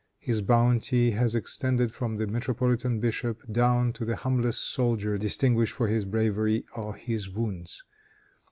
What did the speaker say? His bounty was extended from the metropolitan bishop down to the humblest soldier distinguished for his bravery or his wounds.